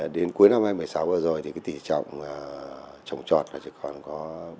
đến cuối năm hai nghìn một mươi sáu vừa rồi thì cái tỉ trọng trọng trọt là chỉ còn có bốn mươi